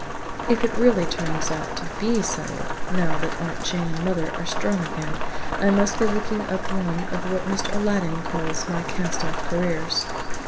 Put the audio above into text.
If it really turns out to BE settled, now that Aunt Jane and mother are strong again I must be looking up one of what Mr. Aladdin calls my cast off careers."